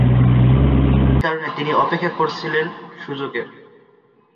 এই কারণে তিনি অপেক্ষা করছিলেন সুযোগের।